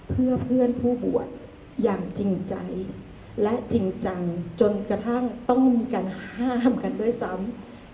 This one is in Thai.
เพื่อเพื่อนผู้บวชอย่างจริงใจและจริงจังจนกระทั่งต้องมีการห้ามกันด้วยซ้ำ